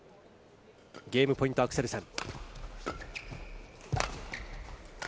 ゲームポイント、アクセルセン。